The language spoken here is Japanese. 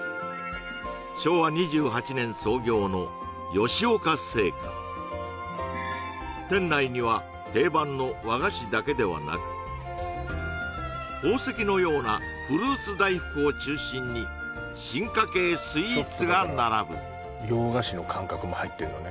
昭和２８年創業の吉岡製菓店内には宝石のようなフルーツ大福を中心に進化系スイーツが並ぶちょっとだから洋菓子の感覚も入ってるのね